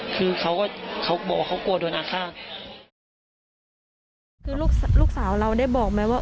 คือเขาก็เขากลัวโดนอาฆาตคือลูกสาวเราได้บอกไหมว่า